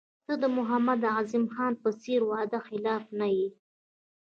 ته د محمد اعظم خان په څېر وعده خلاف نه یې.